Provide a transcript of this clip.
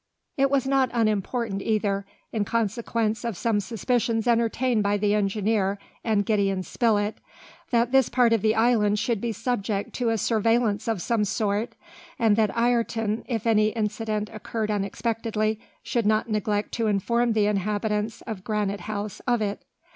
It was not unimportant either, in consequence of some suspicions entertained by the engineer and Gideon Spilett, that this part of the island should be subject to a surveillance of some sort, and that Ayrton, if any incident occurred unexpectedly, should not neglect to inform the inhabitants of Granite House of it.